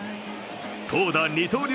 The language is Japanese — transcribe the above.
投打二刀流